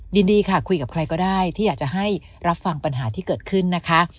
ยินดีค่ะคุยกับใครก็ได้ที่อยากจะให้รับฟังปัญหาที่เกิดขึ้นนะคะ